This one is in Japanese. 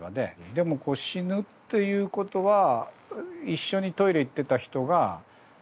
でも死ぬということは一緒にトイレ行ってた人が次の瞬間